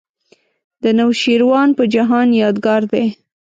د نوشیروان په جهان یادګار دی.